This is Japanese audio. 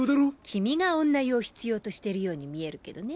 君が女湯を必要としてるように見えるけどね。